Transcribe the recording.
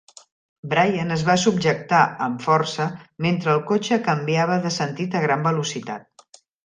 Brian es va subjectar amb força mentre el cotxe canviava de sentit a gran velocitat.